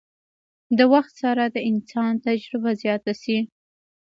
د وخت سره د انسان تجربه زياته شي